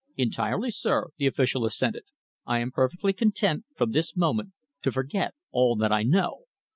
"Entirely, sir," the official assented. "I am perfectly content, from this moment, to forget all that I know.